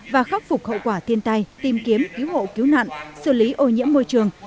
và khắc phục hậu quả thiên tai tìm kiếm cứu hộ cứu nạn xử lý ô nhiễm môi trường